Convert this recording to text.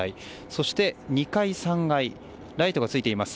そして２階、３階ライトがついています。